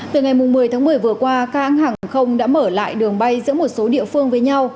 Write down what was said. từ ngày một mươi tháng một mươi vừa qua các hãng hàng không đã mở lại đường bay giữa một số địa phương với nhau